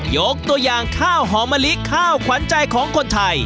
ยกตัวอย่างข้าวหอมะลิข้าวขวัญใจของคนไทย